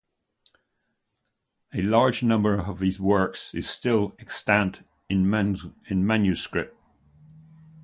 A large number of his works is still extant in manuscript.